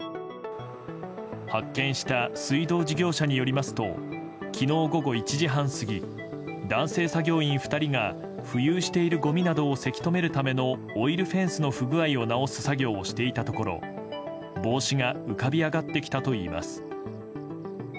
発見した水道事業者によりますと昨日、午後１時半過ぎ男性作業員２人が浮遊しているごみなどをせき止めるためのオイルフェンスの不具合を直す作業をしていたところ帽子が浮かび上がってきたといいます。